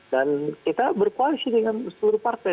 dan kita berkoalisi dengan seluruh partai